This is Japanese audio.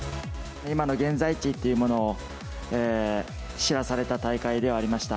今の現在地というものを、知らされた大会ではありました。